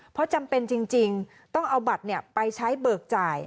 เพราะจำเป็นจริงต้องเอาบัตรไปใช้เบิกจ่าย